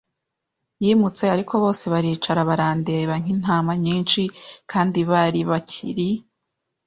yimutse, ariko bose baricara barandeba nkintama nyinshi. Kandi bari bakiri